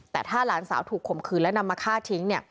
แต่ถ้าหลานสาวถูกข่มขืนและนำมาฆ่าทิ้ง